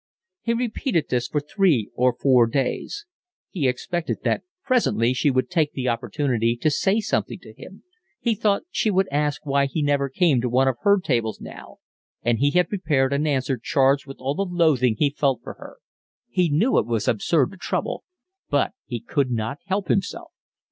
He repeated this for three or four days. He expected that presently she would take the opportunity to say something to him; he thought she would ask why he never came to one of her tables now, and he had prepared an answer charged with all the loathing he felt for her. He knew it was absurd to trouble, but he could not help himself.